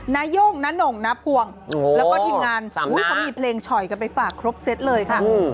นาย่งน้าหน่งน้าพวงแล้วก็ทีมงานเขามีเพลงฉ่อยกันไปฝากครบเซตเลยค่ะ